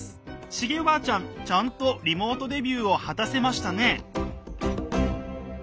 シゲおばあちゃんちゃんとリモートデビューを果たせましたね。